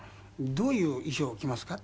どういう衣装を着ますか？